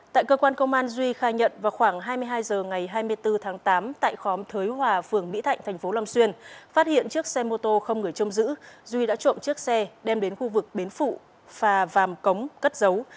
tại cơ quan công an duy khai nhận vào khoảng hai mươi hai h ngày hai mươi bốn tháng tám tại khóm thới hòa phường mỹ thạnh thành phố long xuyên phát hiện chiếc xe mô tô không người trông giữ duy đã trộm chiếc xe đem đến khu vực bến phụ phà vàm cống cất dấu